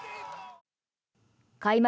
開幕